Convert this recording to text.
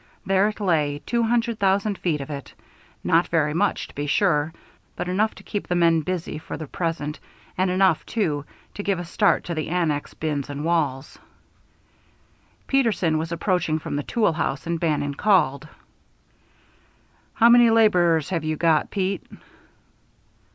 There it lay, two hundred thousand feet of it not very much, to be sure, but enough to keep the men busy for the present, and enough, too, to give a start to the annex bins and walls. Peterson was approaching from the tool house, and Bannon called. "How many laborers have you got, Pete?"